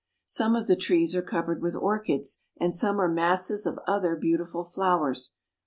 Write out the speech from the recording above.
Some of the trees are covered with orchids, and some are masses of other beautiful flowers.